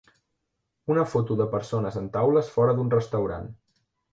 Una foto de persones en taules fora d'un restaurant.